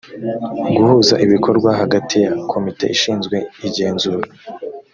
guhuza ibikorwa hagati ya komite ishinzwe igenzura